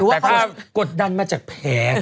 แต่ถ้ากดดันมาจากแผง